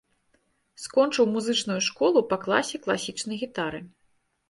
Скончыў музычную школу па класе класічнай гітары.